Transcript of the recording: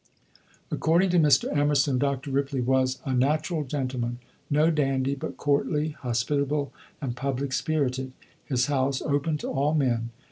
According to Mr. Emerson, Dr. Ripley was "a natural gentleman; no dandy, but courtly, hospitable, and public spirited; his house open to all men."